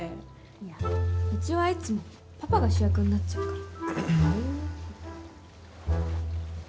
いや、うちは、いつもパパが主役になっちゃうから。